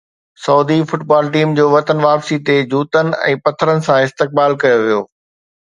Saudi football team جو وطن واپسي تي جوتن ۽ پٿرن سان استقبال ڪيو ويو